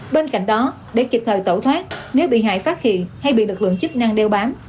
bên cạnh đó để kịp thời tẩu thoát nếu bị hại phát hiện hay bị lực lượng chức năng đeo bám